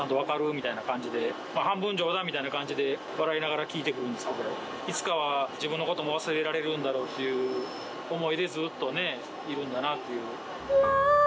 みたいな感じで、半分冗談みたいな感じで、笑いながら聞いてくるんですけれども、いつかは自分のことも忘れられるんだろうという思いで、ずっとね、いるんだなという。